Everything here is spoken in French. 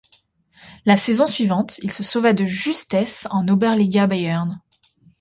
La saison suivante, il se sauva de justesse en Oberliga Bayern.